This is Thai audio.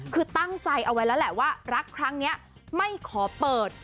คือตั้งใจเอาไว้แล้วแหละว่ารักครั้งนี้ไม่ขอเปิด